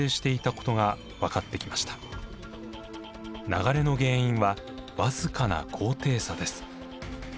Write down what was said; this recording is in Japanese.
流れの原因は僅かな高低差です。